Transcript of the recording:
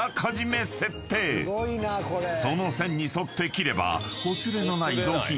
［その線に沿って切れば］